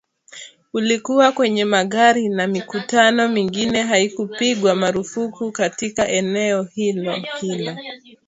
ulikuwa kwenye magari na mikutano mingine haikupigwa marufuku katika eneo hilo hilo